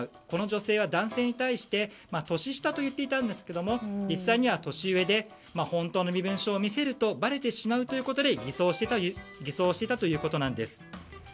この女性は男性に対して年下と言っていたんですが実際には年上で本当の身分証を見せるとばれてしまうということで偽装していたということです。